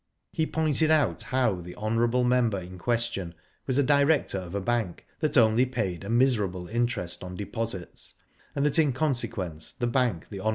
He pointed out how the hon. member in question was a director of a bank that only paid a miserable interest on deposits, ,and that, in con sequence, the bank the hon.